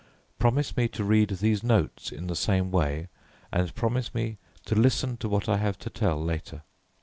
Promise me to read these notes in the same way, and promise me to listen to what I have to tell later."